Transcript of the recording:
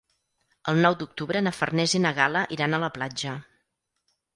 El nou d'octubre na Farners i na Gal·la iran a la platja.